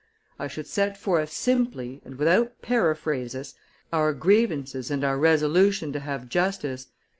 I should set forth simply, and without periphrasis, our grievances and our resolution to have justice.